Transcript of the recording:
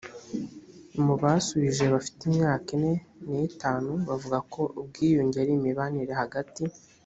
mu basubije bafite imyaka ine nitanu bavuga ko ubwiyunge ari imibanire hagati